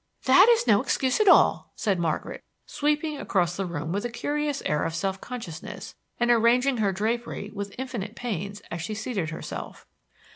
"That is no excuse at all," said Margaret, sweeping across the room with a curious air of self consciousness, and arranging her drapery with infinite pains as she seated herself.